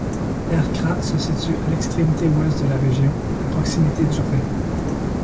Erkrath se situe à l'extrémité ouest de la région, à proximité du Rhin.